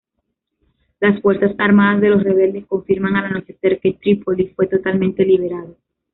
Las fuerzas armadas de los rebeldes, confirman al anochecer que Trípoli fue totalmente liberado.